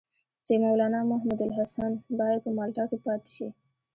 چې مولنا محمودالحسن باید په مالټا کې پاتې شي.